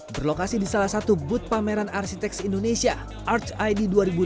berlokasi di salah satu booth pameran arsiteks indonesia arts id dua ribu dua puluh tiga